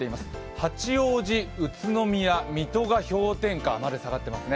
八王子、宇都宮、水戸が氷点下まで下がってますね。